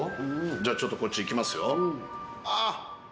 じゃあちょっとこっちいきますよ。